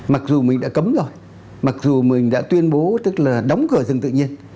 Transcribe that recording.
mặc dù mình đã cấm rồi mặc dù mình đã tuyên bố tức là đóng cửa rừng tự nhiên